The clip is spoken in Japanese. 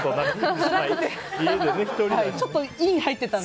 つらくて。